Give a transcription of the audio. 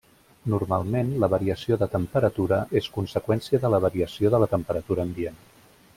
Normalment la variació de temperatura és conseqüència de la variació de la temperatura ambient.